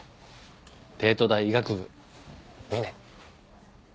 帝都大医学部２年。